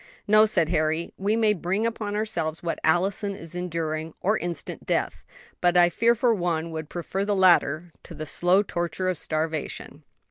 "No," said Harry, "we may bring upon ourselves what Allison is enduring, or instant death; but I for one would prefer the latter to the slow torture of starvation."